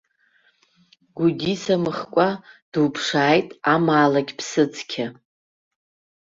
Гәдисамыхкәа, дуԥшааит амаалықь ԥсыцқьа.